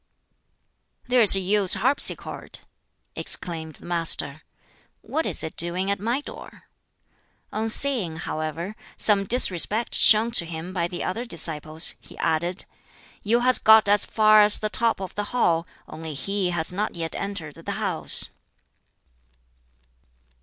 "There is Yu's harpsichord," exclaimed the Master "what is it doing at my door?" On seeing, however, some disrespect shown to him by the other disciples, he added, "Yu has got as far as the top of the hall; only he has not yet entered the house."